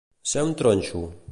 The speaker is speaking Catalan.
Ser un tronxo.